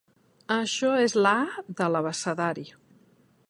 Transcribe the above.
Això és la a de l’abecedari.